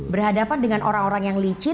berhadapan dengan orang orang yang licin